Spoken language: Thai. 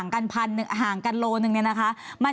๒๘๐๐กับ๓๘๐๐ห่างกันโลนึงนี่นะคะ